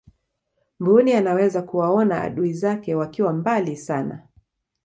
mbuni anaweza kuwaona adui zake wakiwa mbali sana